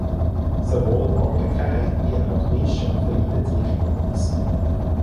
Sowohl Mordecai wie auch Mischa verlieben sich in Max.